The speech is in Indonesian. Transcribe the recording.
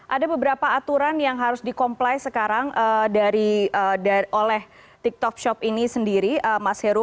ada beberapa aturan yang harus di comply sekarang oleh tiktok shop ini sendiri mas heru